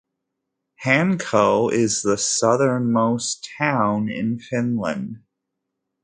Hanko is the southernmost town in Finland.